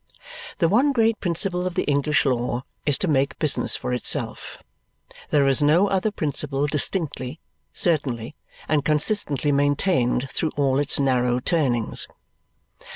The one great principle of the English law is to make business for itself. There is no other principle distinctly, certainly, and consistently maintained through all its narrow turnings.